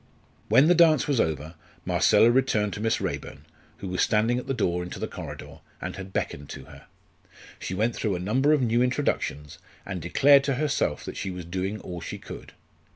When the dance was over Marcella returned to Miss Raeburn, who was standing at the door into the corridor and had beckoned to her. She went through a number of new introductions, and declared to herself that she was doing all she could.